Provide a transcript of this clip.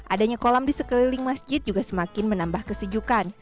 adanya kolam di sekeliling masjid juga semakin menambah kesejukan